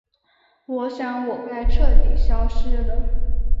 我想我该彻底消失了。